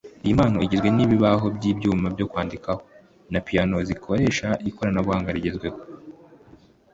Iyi mpano igizwe n’ibibaho by’ibyuma byo kwandikaho na piano zikoresha ikoranabuhanga rigezweho